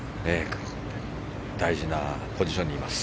大事なポジションにいます。